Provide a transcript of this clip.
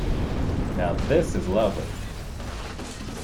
Now this is lovely!